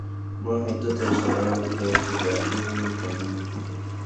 ما همده ته اشاره وکړه چې دا ته یې کنه؟!